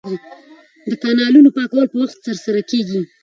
د کانالونو پاکول په وخت ترسره کیږي.